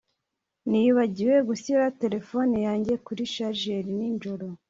nibagiwe gushyira terefone yanjye kuri charger nijoro